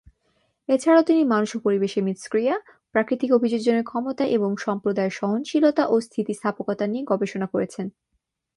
এছাড়াও তিনি মানুষ ও পরিবেশের মিথস্ক্রিয়া, প্রাকৃতিক অভিযোজনের ক্ষমতা এবং সম্প্রদায়ের সহনশীলতা ও স্থিতিস্থাপকতা নিয়ে গবেষণা করেছেন।